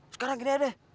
sekarang gini aja deh